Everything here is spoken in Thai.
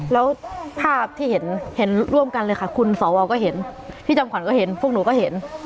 แล้วภาพที่เห็นเห็นร่วมกันเลยค่ะคุณสวก็เห็นพี่จำขวัญก็เห็นพวกหนูก็เห็น